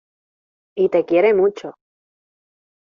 Y te quiere mucho.